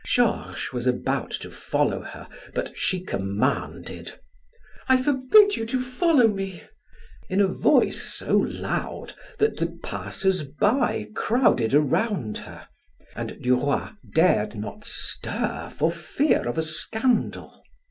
Georges was about to follow her but she commanded: "I forbid you to follow me," in a voice so loud that the passers by crowded around her, and Duroy dared not stir for fear of a scandal.